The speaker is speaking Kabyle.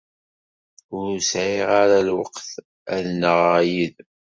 Ur sɛiɣ ara lweqt ad nnaɣeɣ yid-m.